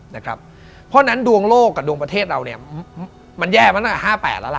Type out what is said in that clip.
เพราะฉะนั้นดวงโลกกับดวงประเทศเราเนี่ยมันแย่มาตั้งแต่๕๘แล้วล่ะ